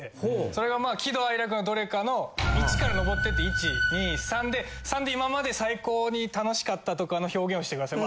それがまあ喜怒哀楽のどれかの１からのぼっていって１２３で３で今までで最高に楽しかったとかの表現をして下さい。